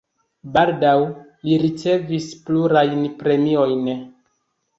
Baldaŭ li ricevis plurajn premiojn.